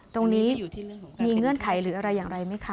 ตรงนี้มีเงื่อนไขหรืออะไรอย่างไรไหมคะ